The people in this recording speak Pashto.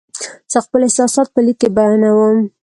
زه خپل احساسات په لیک کې بیانوم.